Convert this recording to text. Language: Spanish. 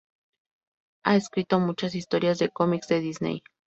Ha escrito muchas historias de cómics de Disney.